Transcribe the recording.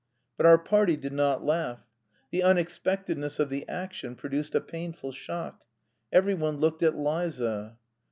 But our party did not laugh. The unexpectedness of the action produced a painful shock. Every one looked at Liza.